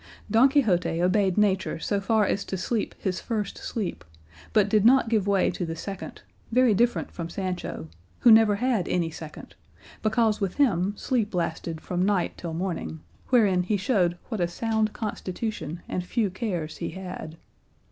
Don Quixote obeyed nature so far as to sleep his first sleep, but did not give way to the second, very different from Sancho, who never had any second, because with him sleep lasted from night till morning, wherein he showed what a sound constitution and few cares he had.